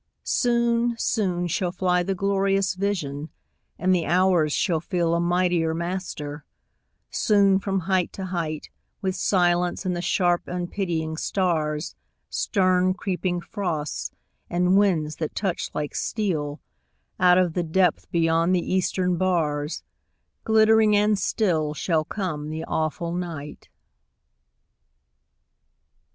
Soon, soon shall fly The glorious vision, and the hours shall feel A mightier master; soon from height to height, With silence and the sharp unpitying stars, Stern creeping frosts, and winds that touch like steel, Out of the depth beyond the eastern bars, Glittering and still shall come the awful night.